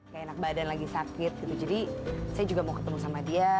kayak enak badan lagi sakit gitu jadi saya juga mau ketemu sama dia